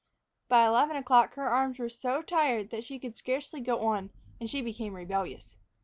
By eleven o'clock her arms were so tired that she could scarcely go on, and she became rebellious.